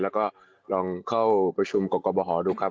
แล้วลองเข้าประชุมกคบบ่อหอกดูครับ